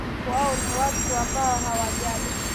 Wao ni watu amboa hawajali